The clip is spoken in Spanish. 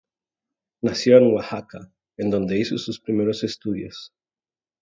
Nació en Oaxaca, en donde hizo sus primeros estudios.